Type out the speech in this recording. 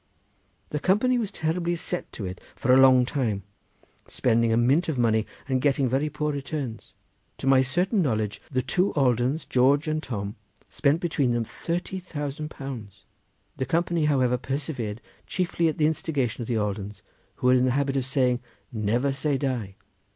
The company was terribly set to it for a long time, spending a mint of money and getting very poor returns. To my certain knowledge the two Aldens, George and Tom, spent between them thirty thousand pounds—the company, however, persevered, chiefly at the instigation of the Aldens, who were in the habit of saying 'Never say die!